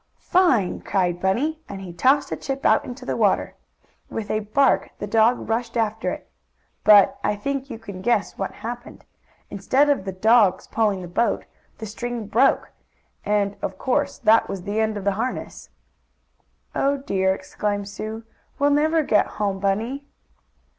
"Fine!" cried Bunny, and he tossed a chip out into the river. With a bark the dog rushed after it. But I think you can guess what happened. Instead of the dog's pulling the boat, the string broke, and, of course, that was the end of the harness. "Oh, dear!" exclaimed Sue. "We'll never get home, Bunny!"